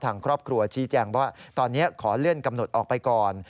ทางครอบครัวชี้แจงว่าตอนนี้ขอเลื่อนกำหนดออกไปก่อน